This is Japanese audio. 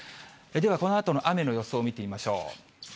ではこのあとの雨の予想を見てみましょう。